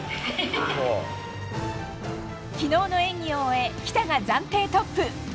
昨日の演技を終え喜田が暫定トップ。